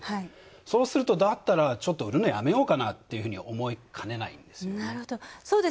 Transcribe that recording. そうすると、だったらちょっと売るのやめようかなって思いかねないんです。